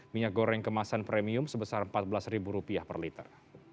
minyak goreng kemasan premium sebesar rp empat belas per liter